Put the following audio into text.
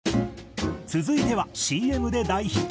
続いてはＣＭで大ヒット